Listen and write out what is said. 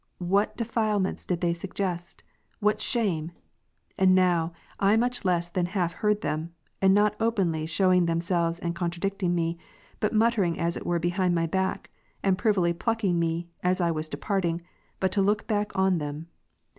What defilements did they suggest ! what shame ! And now I much less than half heard them, and not openly shewing themselves and contradicting me, but muttering as it were behind my back, and privily plucking me, as I was departing, but to look back on them.